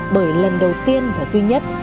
bởi lần đầu tiên và duy nhất